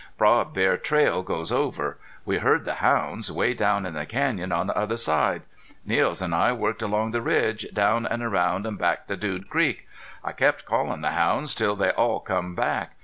Broad bear trail goes over. We heard the hounds 'way down in the canyon on the other side. Niels an' I worked along the ridge, down an' around, an' back to Dude Creek. I kept callin' the hounds till they all came back.